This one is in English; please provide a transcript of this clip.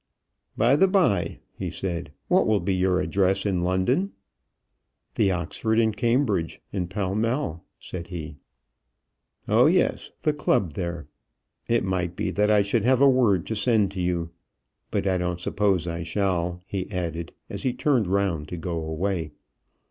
"By the by," he said, "what will be your address in London?" "The 'Oxford and Cambridge' in Pall Mall," said he. "Oh, yes; the club there. It might be that I should have a word to send to you. But I don't suppose I shall," he added, as he turned round to go away.